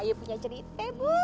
saya punya cerita bu